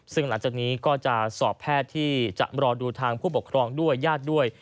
จากนี้ก็จะสอบแพทย์ที่จะรอดูทางผู้ปกครองยาดด้วย